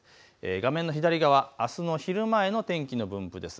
画面の左側、あすの昼前の天気の分布です。